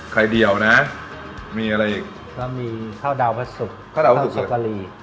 ไข่เดี่ยวนะมีอะไรอีกก็มีข้าวดาวพะสุกข้าวดาวพะสุกคือข้าวช็อกโกลี